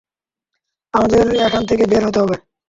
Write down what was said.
আমাদের এখান থেকে বের হতে হবে।